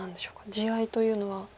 地合いというのは。